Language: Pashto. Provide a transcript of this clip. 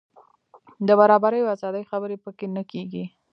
د برابرۍ او ازادۍ خبرې په کې نه کېږي.